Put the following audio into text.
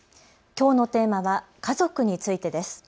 きょうのテーマは家族についてです。